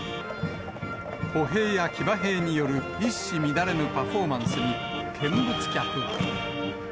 歩兵や騎馬兵による一糸乱れぬパフォーマンスに、見物客は。